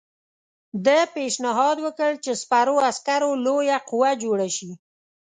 ده پېشنهاد وکړ چې سپرو عسکرو لویه قوه جوړه شي.